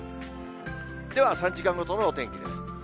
では、３時間ごとのお天気です。